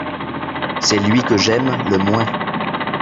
c'est lui que j'aime le moins.